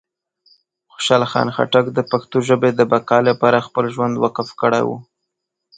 خوشحال خان خټک د پښتو ژبې د بقا لپاره خپل ژوند وقف کړی و.